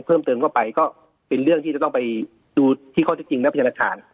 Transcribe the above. เพิ่มเติมเข้าไปก็เป็นเรื่องที่จะต้องไปดูที่ข้อที่จริงและพยานฐาน